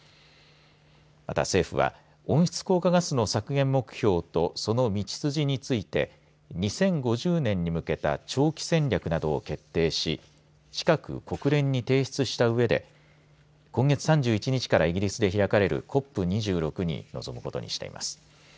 また政府は温室効果ガスの削減目標とその道筋について２０５０年に向けた長期戦略などを決定し近く国連に提出したうえで今月３１日からイギリスで開かれるＣＯＰ２６に臨むことにしています。